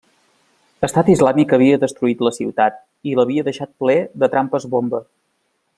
Estat Islàmic havia destruït la ciutat i l'havia deixat ple de trampes bomba.